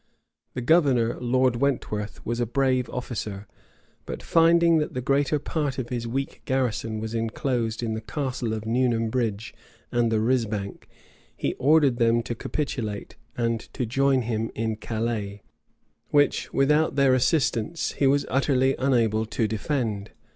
The governor, Lord Wentworth, was a brave officer; but finding that the greater part of his weak garrison was enclosed in the castle of Newnam Bridge and the risbank, he ordered them to capitulate, and to join him in Calais, which, without their assistance, he was utterly unable to defend.